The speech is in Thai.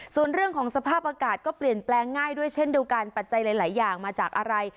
ส่วนเรื่องของสภาพอากาศก็เปลี่ยนแปลงง่ายด้วยเช่นเดียวกันปัจจัยหลายอย่างมาจากอะไร